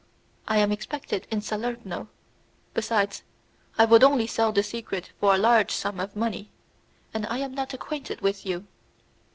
"I am expected in Salerno; besides, I would only sell the secret for a large sum of money, and I am not acquainted with you."